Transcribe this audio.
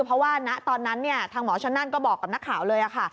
เพราะว่าณตอนนั้นทางหมอชนนั่นก็บอกกับนักข่าวเลยค่ะ